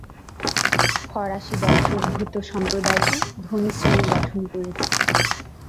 ফরাসি বংশোদ্ভূত সম্প্রদায়টি ধনী শ্রেণী গঠন করেছে।